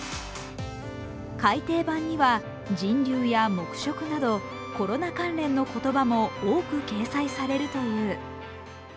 改訂版には人流や黙食などコロナ関連の言葉も多く掲載されるという。